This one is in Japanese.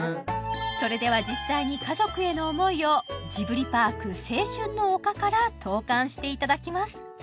それでは実際に家族への思いをジブリパーク青春の丘から投函していただきます